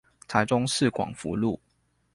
台中市廣福路